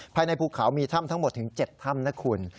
ภายในภูเขามีถ้ำทั้งหมดถึง๗ถ้ำนะคุณ